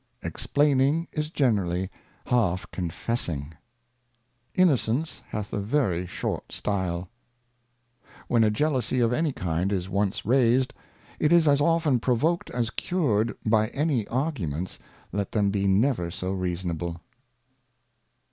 Explaining is generally half confessing. Innocence hath a very short Style. When a Jealousy of any kind is once raised, it is as often provoked as cured by any Arguments, let them be never so reasonable.